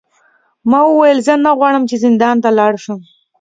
ما وویل زه نه غواړم چې زندان ته لاړ شم.